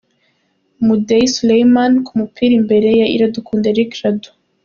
Mudeyi Suleiman ku mupira imbere ya Iradukunda Eric Radou.